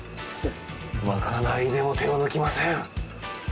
まかないでも手を抜きません。